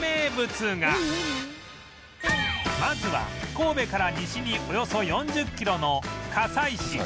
まずは神戸から西におよそ４０キロの加西市